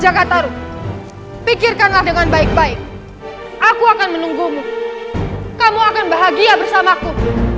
jakarta pikirkanlah dengan baik baik aku akan menunggumu kamu akan bahagia bersamaku